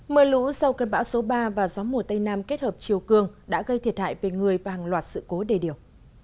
mưa lũ sau cơn bão số ba và gió mùa tây nam kết hợp chiều cương đã gây thiệt hại về người và hàng loạt sự cố đề điều